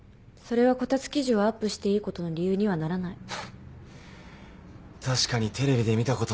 それはこたつ記事をアップしていいことの理由にはならない。